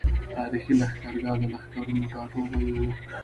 تاريخي لښکرګاه د لښکرونو ټاټوبی وو۔